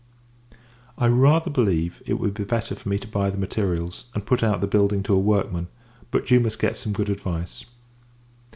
I rather believe, it would be better for me to buy the materials, and put out the building to a workman; but, you must get some good advice.